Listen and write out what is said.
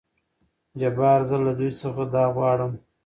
جبار : زه له دوي څخه دا غواړم.